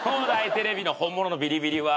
テレビの本物のビリビリは。